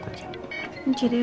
dia juga ga terbukti bersalah